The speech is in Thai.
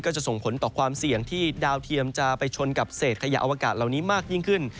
จะส่งผลต่อความเสี่ยงที่ดาวเทียมจะไปชนกับเศษขยะอวกาศเหล่านี้มากยิ่งขึ้น